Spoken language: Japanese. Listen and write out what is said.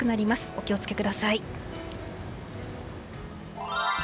お気を付けください。